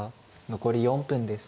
残り４分です。